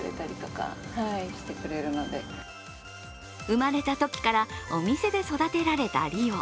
生まれたときからお店で育てられたリオ。